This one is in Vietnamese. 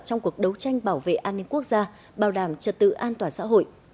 trong cuộc đấu tranh bảo vệ an ninh quốc gia bảo đảm trật tự an toàn xã hội